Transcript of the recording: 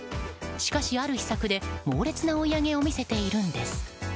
しかし、ある秘策で猛烈な追い上げを見せているんです。